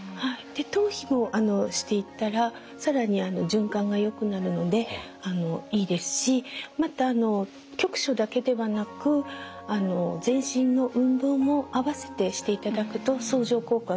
頭皮もしていったら更に循環がよくなるのでいいですしまたあの局所だけではなく全身の運動も併せてしていただくと相乗効果が出ます。